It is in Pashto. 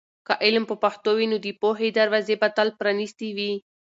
که علم په پښتو وي، نو د پوهې دروازې به تل پرانیستې وي.